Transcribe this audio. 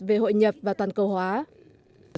về hội nhập và toàn cầu hóa